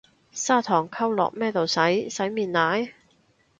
砂糖溝落咩度洗，洗面奶？